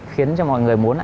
khiến cho mọi người muốn